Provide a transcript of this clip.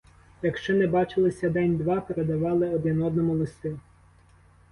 Якщо не бачилися день-два, передавали один одному листи.